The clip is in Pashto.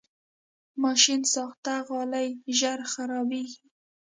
ماشینساخته غالۍ ژر خرابېږي.